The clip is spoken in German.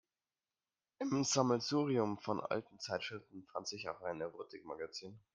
Im Sammelsurium von alten Zeitschriften fand sich auch ein Erotikmagazin.